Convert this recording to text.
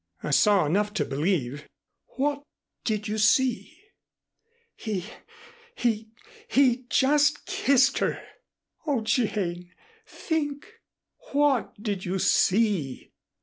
"I saw enough to believe " "What did you see?" "He he he just kissed her." "Oh, Jane, think! What did you see?